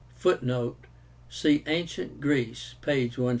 (Footnote: See Ancient Greece, page 145.)